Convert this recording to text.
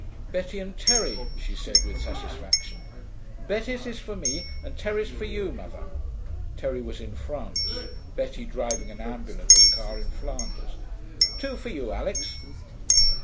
'Betty and Terry,' she said, with satisfaction. 'Betty's is for me and Terry's for you, mother.' (Terry was in France, Betty driving an ambulance car in Flanders.) 'Two for you, Alix.'